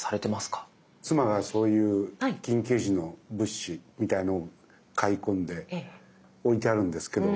妻がそういう緊急時の物資みたいなのを買い込んで置いてあるんですけど。